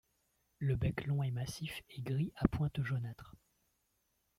Le bec long et massif est gris à pointe jaunâtre.